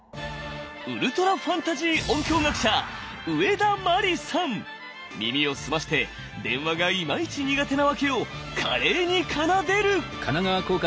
ウルトラファンタジー音響学者耳を澄まして電話がイマイチ苦手なワケを華麗に奏でる！